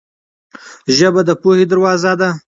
ژبه د پوهې دروازه ده.